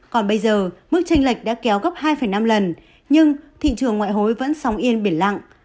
còn bây giờ mức tranh lệch đã kéo gấp hai năm lần nhưng thị trường ngoại hối vẫn sóng yên biển lặng